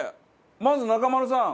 まず中丸さん。